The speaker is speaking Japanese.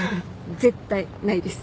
絶対ないです。